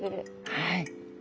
はい。